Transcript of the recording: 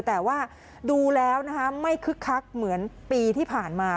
แต่ว่าดูแล้วนะคะไม่คึกคักเหมือนปีที่ผ่านมา